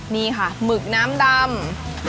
นี่ค่ะหมึกน้ำดำ